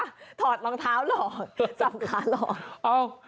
คำว่าถอดมองเท้าหรอกจับขาหรอก